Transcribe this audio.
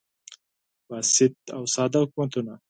بسیط او ساده حکومتونه